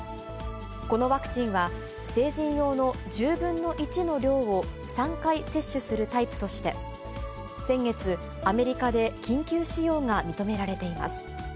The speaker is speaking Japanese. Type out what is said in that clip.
このワクチンは、成人用の１０分の１の量を３回接種するタイプとして、先月、アメリカで緊急使用が認められています。